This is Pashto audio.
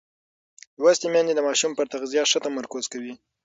لوستې میندې د ماشوم پر تغذیه ښه تمرکز کوي.